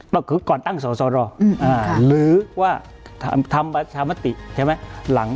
ก็คือก่อนตั้งสอสรหรือว่าทำประชามติใช่ไหม